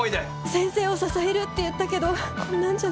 先生を支えるって言ったけどこんなんじゃ